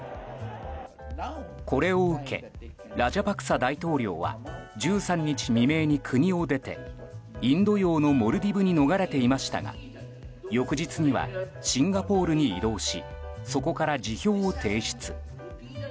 これを受けラジャパクサ大統領は１３日未明に国を出てインド洋のモルディブに逃れていましたが翌日にはシンガポールに移動しそこから辞表を提出。